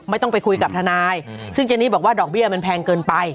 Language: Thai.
ไม่ต้องไปคุยกับทนายซึ่งเจนี่บอกว่าดอกเบี้ยมันแพงเกินไป